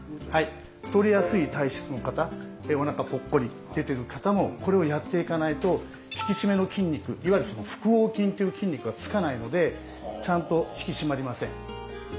太りやすい体質の方おなかポッコリ出ている方もこれをやっていかないと引き締めの筋肉いわゆる腹横筋という筋肉がつかないのでちゃんと引き締まりません。